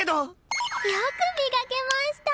よく磨けました！